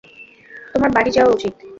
তোমার বাড়ি যাওয়া উচিত।